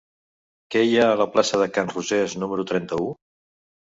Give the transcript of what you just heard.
Què hi ha a la plaça de Can Rosés número trenta-u?